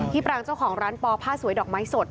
ปรางเจ้าของร้านปอผ้าสวยดอกไม้สด